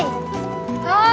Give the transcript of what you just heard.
terus terbunuh di jakarta